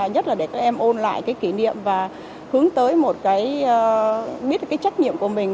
nhất là để các em ôn lại cái kỷ niệm và hướng tới một cái biết cái trách nhiệm của mình